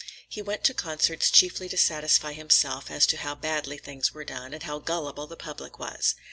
He went to concerts chiefly to satisfy himself as to how badly things were done and how gullible the public was.